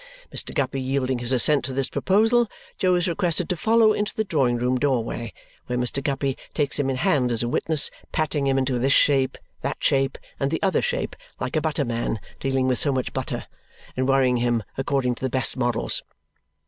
Mr. Guppy yielding his assent to this proposal, Jo is requested to follow into the drawing room doorway, where Mr. Guppy takes him in hand as a witness, patting him into this shape, that shape, and the other shape like a butterman dealing with so much butter, and worrying him according to the best models.